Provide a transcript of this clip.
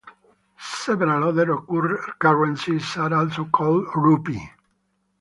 Several other currencies are also called rupee.